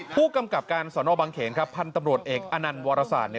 ผู้กำกับการสอนอบังเขงครับพันธุ์ตำรวจเอกอันนันวรษา